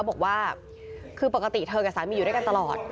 บอกว่าคือปกติเธอกับสามีอยู่ด้วยกันตลอด